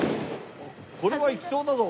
これはいきそうだぞ？